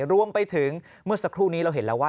รวมไปถึงเมื่อสักครู่นี้เราเห็นแล้วว่า